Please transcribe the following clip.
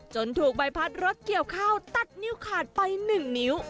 ถูกใบพัดรถเกี่ยวข้าวตัดนิ้วขาดไป๑นิ้ว